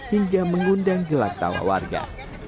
hingga mengundang gelak tawa warga